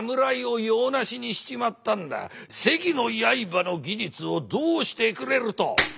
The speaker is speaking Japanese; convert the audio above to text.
関の刃の技術をどうしてくれると。